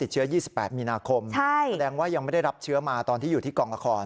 ใช่ใช่แสดงว่ายังไม่ได้รับเชื้อมาตอนที่อยู่ที่กองละคร